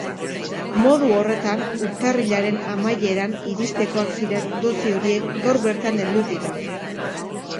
Modu horretan, urtarrilaren amaieran iristekoak ziren dosi horiek gaur bertan heldu dira.